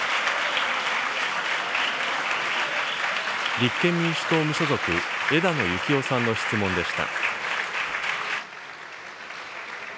立憲民主党・無所属、枝野幸男さんの質問でした。